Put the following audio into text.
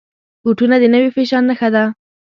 بوټونه د نوي فیشن نښه ده.